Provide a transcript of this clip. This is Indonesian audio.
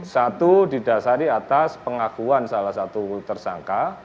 satu didasari atas pengakuan salah satu tersangka